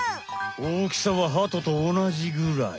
おおきさはハトと同じぐらい。